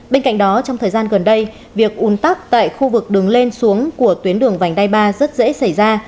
bên cạnh đó trong thời gian gần đây việc un tắc tại khu vực đường lên xuống của tuyến đường vành đai ba rất dễ xảy ra